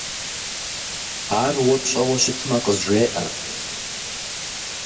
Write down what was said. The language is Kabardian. Ар уэ пщӀэуэ щытмэ, къызжеӏэ.